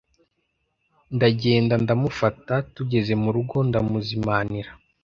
ndagenda ndamufata, tugeze mu rugo ndamuzimanira